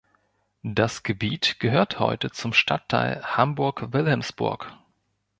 Das Gebiet gehört heute zum Stadtteil Hamburg-Wilhelmsburg.